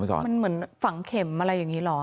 มันเหมือนฝังเข็มอะไรอย่างนี้เหรอ